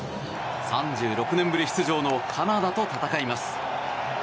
３６年ぶり出場のカナダと戦います。